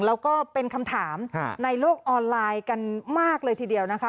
แล้วก็เป็นคำถามในโลกออนไลน์กันมากเลยทีเดียวนะคะ